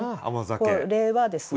これはですね